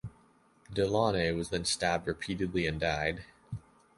De Launay was then stabbed repeatedly and died.